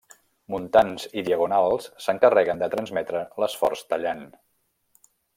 Muntants i diagonals s'encarreguen de transmetre l'esforç tallant.